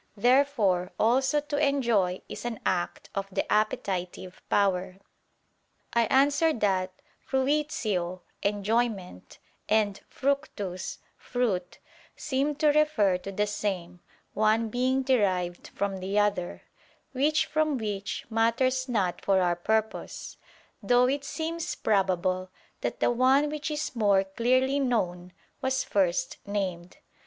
Therefore also to enjoy is an act of the appetitive power. I answer that, Fruitio (enjoyment) and fructus (fruit) seem to refer to the same, one being derived from the other; which from which, matters not for our purpose; though it seems probable that the one which is more clearly known, was first named.